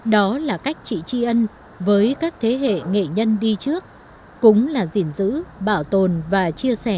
đó là cách chị tri ân với các thế hệ nghệ nhân đi trước cũng là gìn giữ bảo tồn và chia sẻ